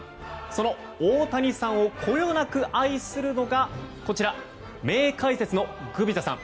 その大谷さんをこよなく愛するのが、こちら名解説のグビザさん。